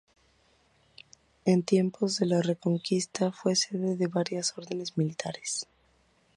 En tiempos de la Reconquista fue sede de varias órdenes militares.